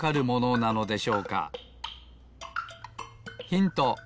ヒント